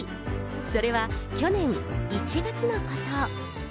それは去年１月のこと。